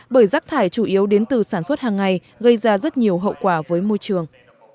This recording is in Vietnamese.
bởi rác thải chủ yếu đến từ sản xuất hàng ngày gây ra rất nhiều hậu quả với môi trường